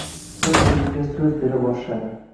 o‘z-o‘ziga so‘z bera boshladi.